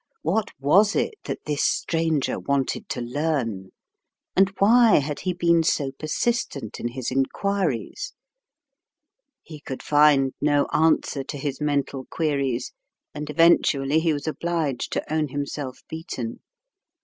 What was it that this stranger wanted to learn, and why had he been so persistent in his inquiries? He could find no answer to his mental queries, and eventually he was obliged to own himself beaten.